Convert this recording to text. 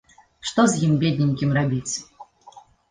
Што з ім, бедненькім, рабіць.